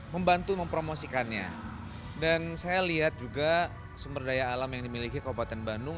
membantu mempromosikannya dan saya lihat juga sumber daya alam yang dimiliki kabupaten bandung